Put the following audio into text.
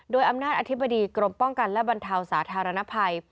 โดยอำนาจอธิบดีกรมป้องกันและบรรเทาสาธารณภัย